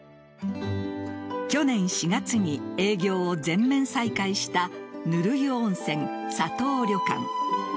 去年４月に営業を全面再開した温湯温泉・佐藤旅館。